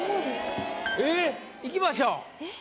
えっ？いきましょう。